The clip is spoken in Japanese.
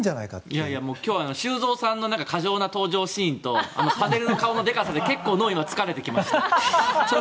いやいや、今日は修造さんの過剰な登場シーンとパネルの顔のでかさで脳が疲れてきました。